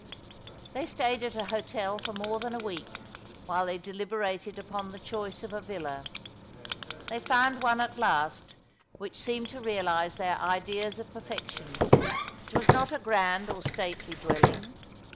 They stayed at a hotel for more than a week, while they deliberated upon the choice of a villa. They found one at last, which seemed to realize their ideas of perfection. It was not a grand or stately dwelling.